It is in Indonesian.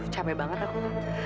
capek banget aku